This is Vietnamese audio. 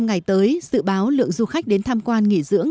trong ngày tới sự báo lượng du khách đến tham quan nghỉ dưỡng